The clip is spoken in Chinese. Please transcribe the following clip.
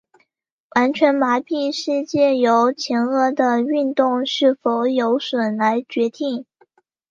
完全麻痹是藉由前额的运动是否有受损来决定。